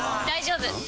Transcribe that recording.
大丈夫！